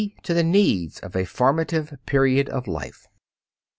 _, to the needs of a formative period of life.